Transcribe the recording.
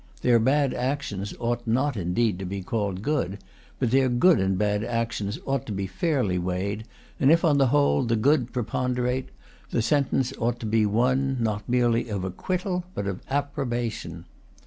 Their bad actions ought not indeed to be called good; but their good and bad actions ought to be fairly weighed; and if on the whole the good preponderate, the sentence ought to be one, not merely of acquittal, but of approbation.